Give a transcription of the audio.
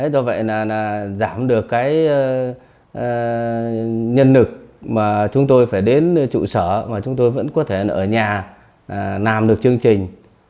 do vậy là giảm được cái nhân lực mà chúng tôi phải đến trụ sở mà chúng tôi vẫn có thể ở nhà làm được chương trình